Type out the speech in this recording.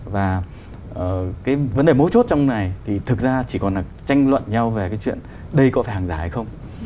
và cái vấn đề mấu chốt trong này thì thực ra chỉ còn là tranh luận nhau về cái chuyện đây có phải hàng giả hay không